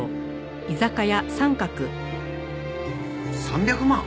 ３００万？